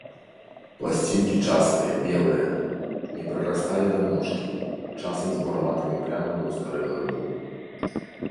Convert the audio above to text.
Пласцінкі частыя, белыя, не прырасталі да ножкі, часам з бураватымі плямамі ў старых грыбоў.